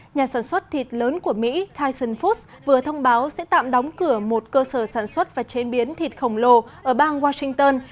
nhà sản xuất thịt lớn của mỹ tyson foods vừa thông báo sẽ tạm đóng cửa một cơ sở sản xuất và chế biến thịt khổng lồ ở bang washington